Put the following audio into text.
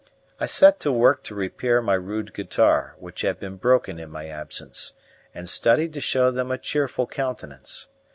I set to work to repair my rude guitar, which had been broken in my absence, and studied to show them a cheerful countenance.